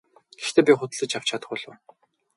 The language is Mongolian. Гэхдээ би худалдаж авч чадах болов уу?